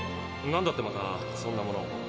なんだってまたそんなもの。